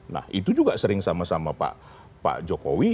nah itu juga sering sama sama pak jokowi